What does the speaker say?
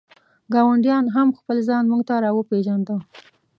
ګاډیوان هم خپل ځان مونږ ته را وپېژنده.